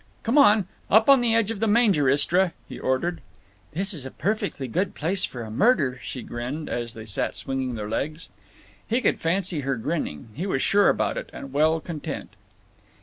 "Come on! Up on the edge of the manger, Istra," he ordered. "This is a perfectly good place for a murder," she grinned, as they sat swinging their legs. He could fancy her grinning. He was sure about it, and well content.